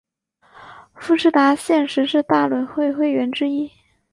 富士达现时是大轮会会员之一。